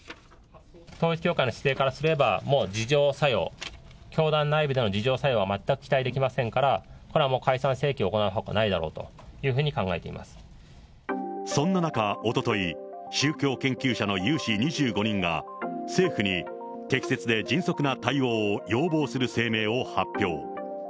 統一教会の姿勢からすれば、もう自浄作用、教団内部での自浄作用は全く期待できませんから、これはもう解散請求を行うほかないだろうというふうに考えていまそんな中、おととい、宗教研究者の有志２５人が、政府に適切で迅速な対応を要望する声明を発表。